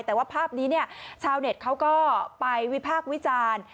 แต่ว่าภาพนี้เนี่ยชาวเน็ตเขาก็ไปวิพากษ์วิจารณ์